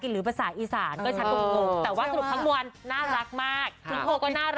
คือภาษาอังกฤษหรือเอง๒๐๐๔